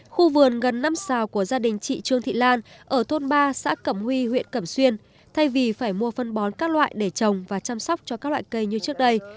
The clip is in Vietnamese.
khu vườn gần năm xào của gia đình chị trương thị lan ở thôn ba xã cẩm huy huyện cẩm xuyên thay vì phải mua phân bón các loại để trồng và chăm sóc cho các loại cây như trước đây